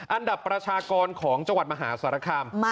อันดับประชากรของจังหวัดมหาสารคาม